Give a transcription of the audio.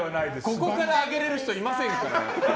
ここからあげられる人いませんから。